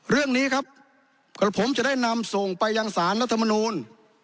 เรื่องนี้ครับกระผมจะได้นำส่งไปยังสารรัฐมนูล